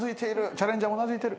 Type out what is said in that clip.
チャレンジャーもうなずいてる。